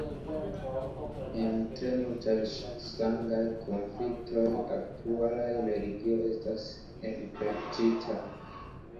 En tre multaj sangaj konfliktoj aktualaj religio estas enplektita.